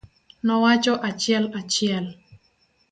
Nowacho achiel achiel.